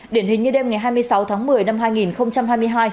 điển hình như đêm ngày hai mươi sáu tháng một mươi năm hai nghìn hai mươi hai